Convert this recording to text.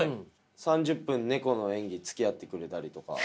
３０分ネコの演技つきあってくれたりとか。